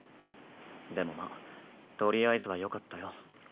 でもまあとりあえずはよかったよ。